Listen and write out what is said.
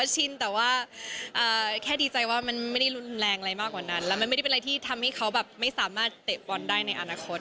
ชินแต่ว่าแค่ดีใจว่ามันไม่ได้รุนแรงอะไรมากกว่านั้นแล้วมันไม่ได้เป็นอะไรที่ทำให้เขาแบบไม่สามารถเตะบอลได้ในอนาคต